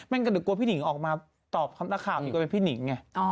มันก็จะกลัวพี่นิ้งออกมาตอบคำต้าข่าวอยู่กับพี่นิ้งไง